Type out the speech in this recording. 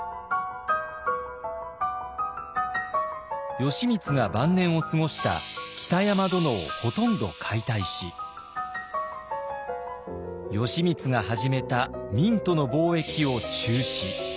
義満が晩年を過ごした北山殿をほとんど解体し義満が始めた明との貿易を中止。